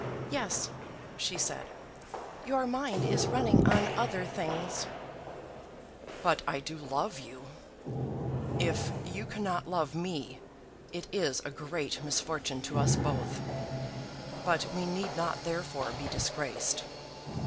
"Yes," she said; "your mind is running on other things." "But I do love you. If you cannot love me, it is a great misfortune to us both. But we need not therefore be disgraced.